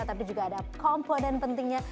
tapi juga ada komponen pentingnya